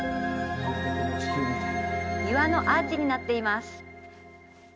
岩のアーチになっています